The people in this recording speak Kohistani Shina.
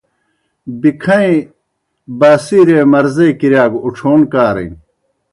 بِکَھئیں باسِیرے مرضے کِرِیا گہ اُڇھون کارِن۔